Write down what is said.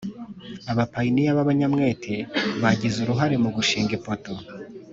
Abapayiniya b abanyamwete bagize uruhare mu gushing ipoto